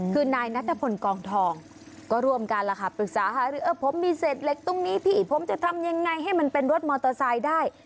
คือนายนัทพลกองทองก็ร่วมกันล่ะค่ะปรึกษาหารือผมมีเศษเหล็กตรงนี้พี่ผมจะทำยังไงให้มันเป็นรถมอเตอร์ไซค์ได้